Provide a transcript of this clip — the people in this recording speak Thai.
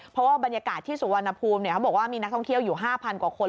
เพราะว่าบรรยากาศที่สุวรรณภูมิเขาบอกว่ามีนักท่องเที่ยวอยู่๕๐๐กว่าคน